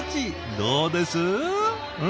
どうです？